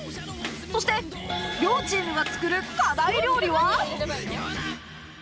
そして両チームが作る課題料理は？